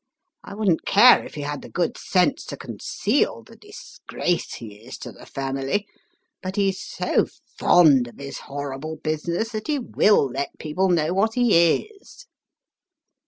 I wouldn't care if he had the good sense to conceal the disgrace he is to the family ; but he's so fond of his horrible business, that he will let people know what he is."